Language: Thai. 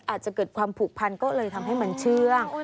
อาจจะเกิดความผูกพันก็เลยทำให้มันเชื่อง